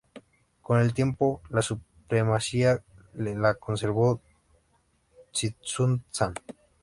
Con el tiempo, la supremacía la conservó Tzintzuntzan.